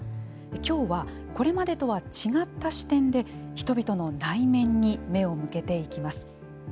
今日はこれまでとは違った視点で人々の内面に目を向けていきます。